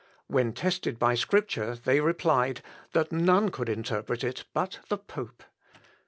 When tested by Scripture, they replied, that none could interpret it but the pope.